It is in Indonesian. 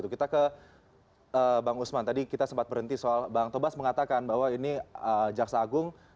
kita ke bang usman tadi kita sempat berhenti soal bang tobas mengatakan bahwa ini jaksa agung